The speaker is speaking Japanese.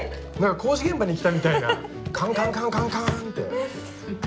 工事現場に来たみたいなカンカンカンカンカンッて。